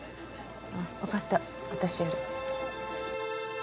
あ分かった私やる